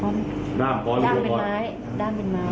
ใช้ด้ามที่หัวชีวิตทางหน้าพอ